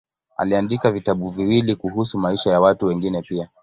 Aliandika vitabu viwili kuhusu maisha ya watu wengine pia.